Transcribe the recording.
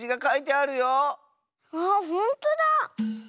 あほんとだ。